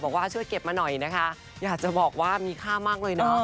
บอกว่าช่วยเก็บมาหน่อยนะคะอยากจะบอกว่ามีค่ามากเลยเนาะ